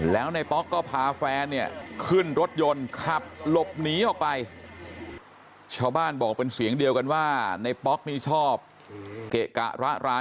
แล้วในป๊อกก็พาแฟร์ขึ้นรถยนต์ขับหลบหนีออกไป